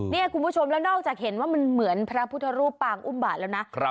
นี่คุณผู้ชมแล้วนอกจากเห็นว่ามันเหมือนพระพุทธรูปปางอุ้มบาทแล้วนะ